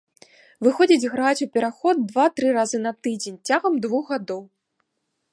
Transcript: Выходзіць граць у пераход два-тры разы на тыдзень цягам двух гадоў.